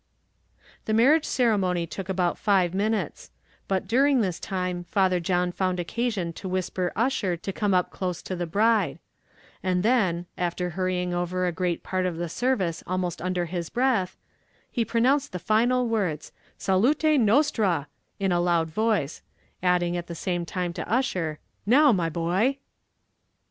The marriage ceremony took about five minutes; but during this time Father John found occasion to whisper Ussher to come up close to the bride; and then, after hurrying over a great part of the service almost under his breath, he pronounced the final words salute nostrâ in a loud voice, adding at the same time to Ussher, "Now, my boy!"